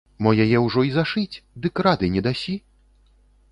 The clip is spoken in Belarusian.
Мо яе ўжо і зашыць, дык рады не дасі?